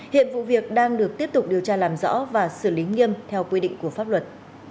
hiện vụ việc đang được tiếp tục điều tra làm rõ và xử lý nghiêm theo quy định của pháp luật